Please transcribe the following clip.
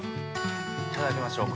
いただきましょうか。